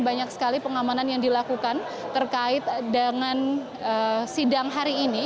banyak sekali pengamanan yang dilakukan terkait dengan sidang hari ini